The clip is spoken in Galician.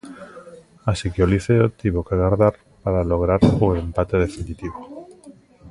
Así que o Liceo tivo que agardar para lograr o empate definitivo.